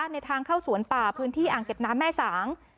ในทางเข้าสวนป่าพื้นที่อ่างเก็บน้ำแม่สาง